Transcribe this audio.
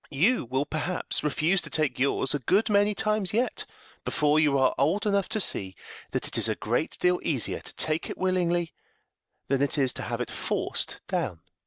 You will, perhaps, refuse to take yours a good many times yet before you are old enough to see that it is a great deal easier to take it willingly than it is to have it forced down."